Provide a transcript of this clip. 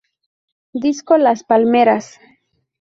Disco las Palmeras!